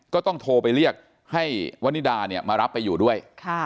ก็ต้องโทรไปเรียกให้วนิดาเนี่ยมารับไปอยู่ด้วย